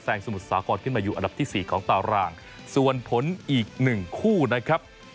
แซงสมุดสากรขึ้นมาอยู่อันดับที่๔ของตาวร่างส่วนผลอีก๑คู่นะครับ